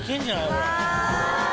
これ。